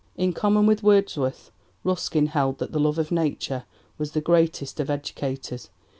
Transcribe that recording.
In common with Wordsworth Ruskin held that the love of Nature was the greatest of educators.